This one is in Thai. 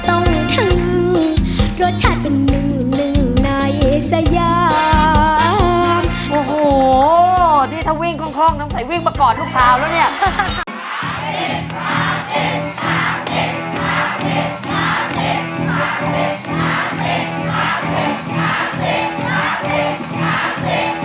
โอ้โหนี่ถ้าวิ่งคล่องน้องใส่วิ่งมาก่อนทุกคราวแล้วเนี่ย